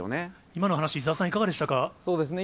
今の話、伊沢さん、いかがでそうですね。